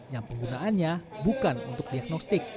yang penggunaannya bukan untuk diagnostik